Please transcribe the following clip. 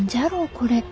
これ。